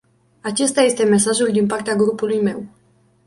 Acesta este mesajul din partea grupului meu.